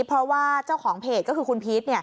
เพราะว่าเจ้าของเพจก็คือคุณพีช